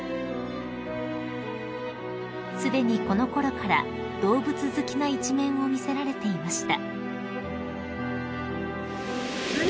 ［すでにこのころから動物好きな一面を見せられていました］